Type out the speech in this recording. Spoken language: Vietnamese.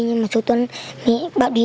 nhưng mà chú tuấn nghĩ bảo đi